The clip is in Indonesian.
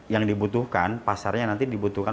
yang dibutuhkan pasarnya nanti dibutuhkan